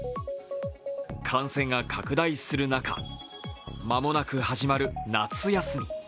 感染が拡大する中、間もなく始まる夏休み。